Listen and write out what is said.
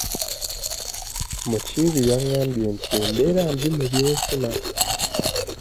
Mukiibi yangambye nti embeera mbi mu byenfuna.